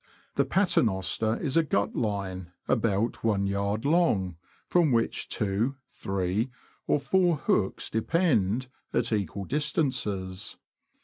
The paternoster is a gut line, about I yd. long, from which two, three, or four hooks depend, at equal distances.